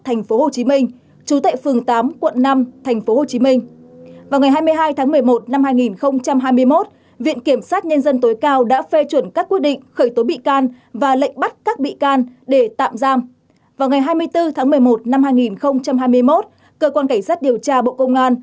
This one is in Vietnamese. tiến hành điều tra mở rộng căn cứ tài liệu chứng cứ thu thập được đến nay cơ quan cảnh sát điều tra bộ công an đã ra các quyết định khởi tố bị can